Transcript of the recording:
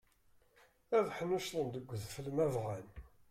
Ad ḥnuccḍen deg udfel ma bɣan.